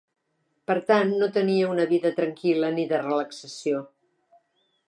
Per tant, no tenia una vida tranquil·la ni de relaxació.